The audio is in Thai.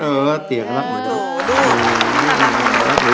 เออเตี๋ยรับหนู